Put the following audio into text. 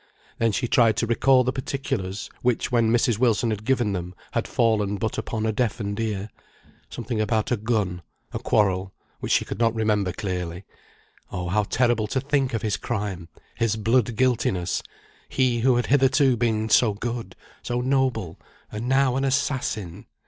Then she tried to recall the particulars, which, when Mrs. Wilson had given them, had fallen but upon a deafened ear, something about a gun, a quarrel, which she could not remember clearly. Oh, how terrible to think of his crime, his blood guiltiness; he who had hitherto been so good, so noble, and now an assassin!